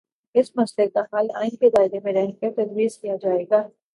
اس مسئلے کا حل آئین کے دائرے میں رہ کرتجویز کیا جائے گا۔